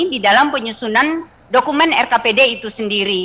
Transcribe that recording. di dalam penyusunan dokumen perencanaan